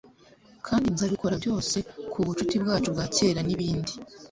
kandi nzabikora byose k'ubucuti bwacu bwa kera nibindi